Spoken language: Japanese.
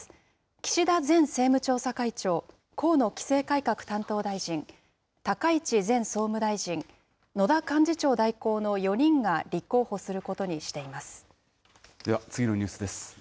岸田前政務調査会長、河野規制改革担当大臣、高市前総務大臣、野田幹事長代行の４人が、では次のニュースです。